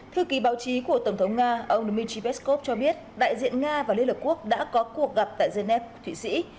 thư ký báo chí của tổng thống nga ông dmitry peskov cho biết đại diện nga và liên hợp quốc đã có cuộc gặp tại geneva thụy sĩ